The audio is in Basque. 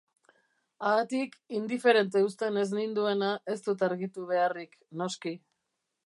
Haatik, indiferente uzten ez ninduena ez dut argitu beharrik, noski.